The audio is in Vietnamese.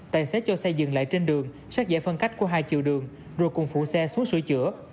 tài xế cho xe dừng lại trên đường sát giải phân cách của hai chiều đường rồi cùng phụ xe xuống sửa chữa